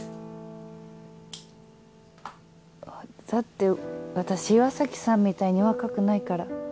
だって私岩崎さんみたいに若くないから。